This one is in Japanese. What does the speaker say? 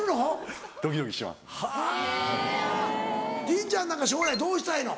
りんちゃんなんか将来どうしたいの？